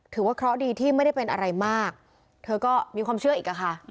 ถือว่าเคราะห์ดีที่ไม่ได้เป็นอะไรมากเธอก็มีความเชื่ออีกอะค่ะ